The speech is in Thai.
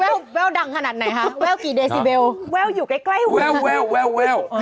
แววแววดังขนาดไหนหาแววกี่เดซิเบลแววอยู่ใกล้ใกล้วิวแววแววแววแวว